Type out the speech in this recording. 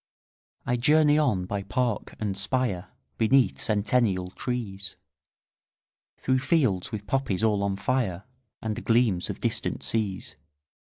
20 I journey on by park and spire, Beneath centennial trees, Through fields with poppies all on fire, And gleams of distant seas.